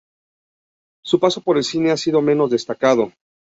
Su paso por el cine ha sido menos destacado.